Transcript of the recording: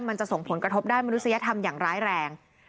มันจะส่งผลกระทบด้านมนุษยธรรมอย่างร้ายแรง